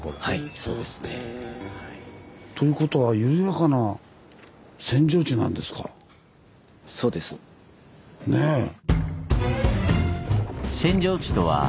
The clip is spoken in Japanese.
はいそうですね。ということはねえ？